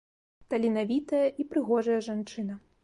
Таленавітая і прыгожая жанчына.